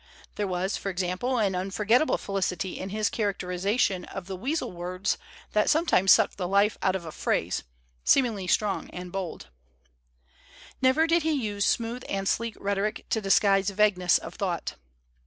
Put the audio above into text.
There was, for example, an unforget table felicity in his characterization of the 234 THEODORE ROOSEVELT AS A MAN OF LETTERS Weasel Words that sometimes suck the life out of a phrase, seemingly strong and bold. Never did he use smooth and sleek rhetoric to disguise vagueness of thought.